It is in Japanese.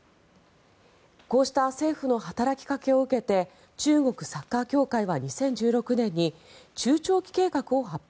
こうした政府の働きかけを受けて中国サッカー協会は２０１６年に中長期計画を発表。